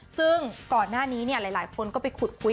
ซึ่งก่อนหน้านี้หลายคนก็ไปขุดคุย